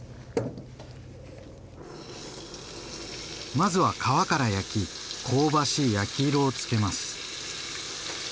まずは皮から焼き香ばしい焼き色をつけます。